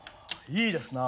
いいですな。